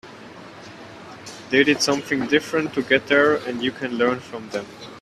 They did something different to get there and you can learn from them.